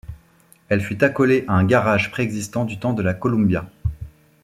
Elle fut accolée à un garage préexistant du temps de la Columbia.